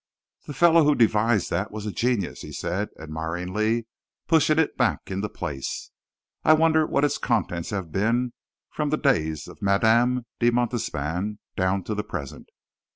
"The fellow who devised that was a genius," he said, admiringly, pushing it back into place. "I wonder what its contents have been from the days of Madame de Montespan down to the present?